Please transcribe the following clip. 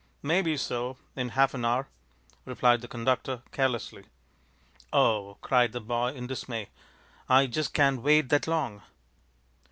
"Maybe so in half an hour," replied the conductor, carelessly. "O," cried the boy, in dismay, "I just can't wait that long!"